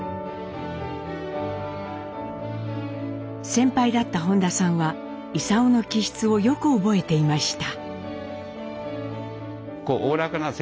先輩だった本田さんは勲の気質をよく覚えていました。